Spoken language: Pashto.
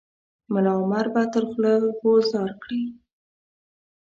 ملا عمر به تر خوله غورځار کړي.